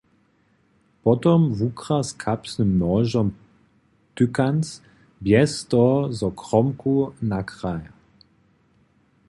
Potom wukra z kapsnym nožom tykanc, bjez toho zo kromku nakra.